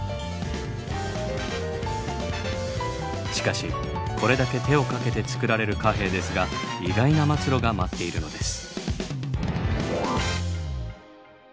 しかしこれだけ手をかけて造られる貨幣ですが意外な末路が待っているのです。